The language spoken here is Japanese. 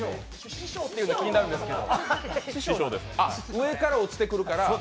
師匠っていうの気になるんですけれども。